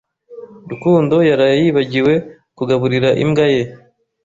Rukundo yaraye yibagiwe kugaburira imbwa ye.